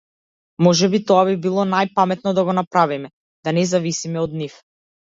Можеби тоа би било најпаметно да го направиме, да не зависиме од нив.